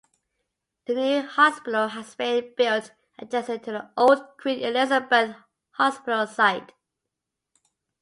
The new hospital has been built adjacent to the old Queen Elizabeth Hospital site.